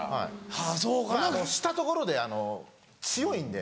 はいしたところで強いんで。